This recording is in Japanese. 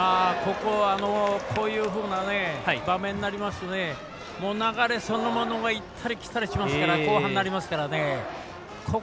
こういうふうな場面になりますと流れそのものが行ったり来たりしますから後半になりますから。